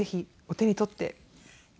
手に取って。